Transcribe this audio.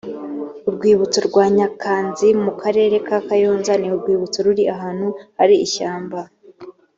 urwibutso rwa nyakanzi mu karere ka kayonza ni urwibutso ruri ahantu hari ishyamba